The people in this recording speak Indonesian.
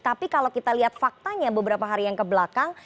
tapi kalau kita lihat faktanya beberapa hari yang kebelakang